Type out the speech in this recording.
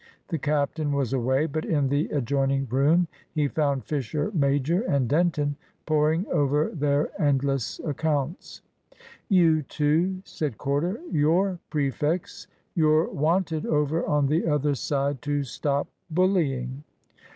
The captain was away, but in the adjoining room he found Fisher major and Denton, poring over their endless accounts. "You two," said Corder, "you're prefects. You're wanted over on the other side to stop bullying."